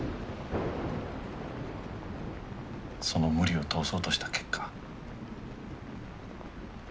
その無理を通そうとした結果。